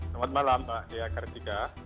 selamat malam mbak dea kartika